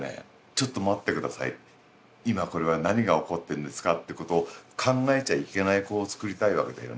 「ちょっと待って下さい」って「今これは何が起こってんですか？」ってことを考えちゃいけない子をつくりたいわけだよね。